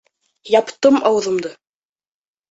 Яптым ауыҙымды!